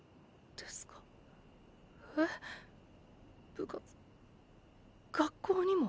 部活学校にも？